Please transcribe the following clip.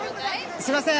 すみません。